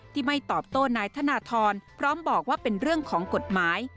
ที่ไม่ตอบโต้นายธนทรพร้อมบอกว่าเป็นเรื่องของกฎหมาย